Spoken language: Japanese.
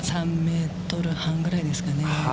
３メートル半ぐらいですかね。